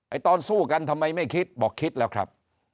ตอนสู้กันทำไมไม่คิดบอกคิดแล้วครับ